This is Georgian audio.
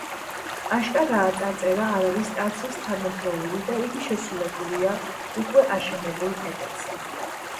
აშკარაა, წარწერა არ არის ტაძრის თანადროული და იგი შესრულებულია უკვე აშენებულ კედელზე.